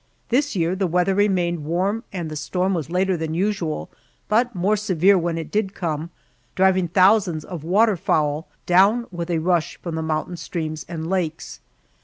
This year the weather remained warm and the storm was later than usual, but more severe when it did come, driving thousands of water fowl down with a rush from the mountain streams and lakes.